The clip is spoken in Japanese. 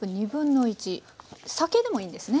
酒でもいいんですね。